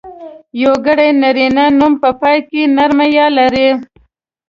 یوګړي نرينه نومونه په پای کې نرمه ی لري.